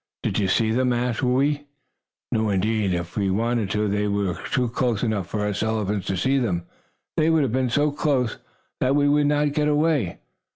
"Did you see them?" asked Whoo ee. "No, indeed! If we waited until they were close enough for us elephants to see them, they would be so close, that we could not get away.